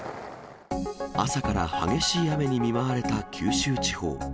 朝から激しい雨に見舞われた九州地方。